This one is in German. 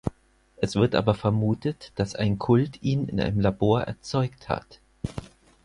Es wird aber vermutet, dass ein Kult ihn in einem Labor erzeugt hat.